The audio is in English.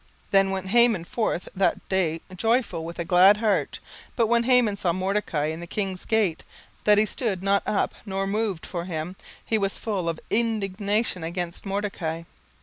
17:005:009 Then went Haman forth that day joyful and with a glad heart: but when Haman saw Mordecai in the king's gate, that he stood not up, nor moved for him, he was full of indignation against Mordecai.